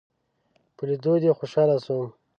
په ليدو دې خوشحاله شوم